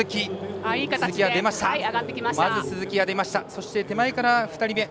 そして手前から２人目